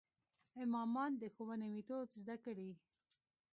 امامان د ښوونې میتود زده کړي.